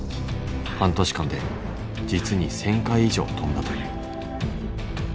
半年間で実に１，０００回以上跳んだという。